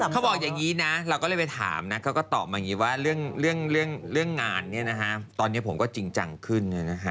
เขาบอกอย่างนี้นะเราก็เลยไปถามเรื่องงานตอนนี้ผมก็จริงจังขึ้น